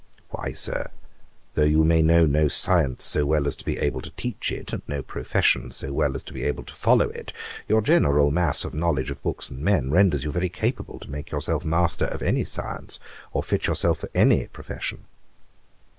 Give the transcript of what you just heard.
'Why, Sir, though you may know no science so well as to be able to teach it, and no profession so well as to be able to follow it, your general mass of knowledge of books and men renders you very capable to make yourself master of any science, or fit yourself for any profession.'